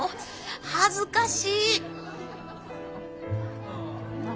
恥ずかし。